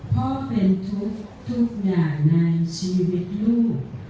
เพราะเป็นทุกข์ทุกอย่างในชีวิตลูก